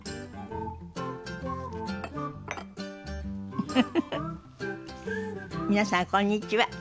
フフフフ皆さんこんにちは。